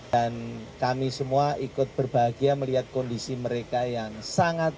dan kami semua ikut berbahagia melihat kondisi mereka yang sangat